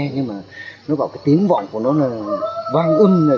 nhưng mà nó gọi cái tiếng vọng của nó là vang âm này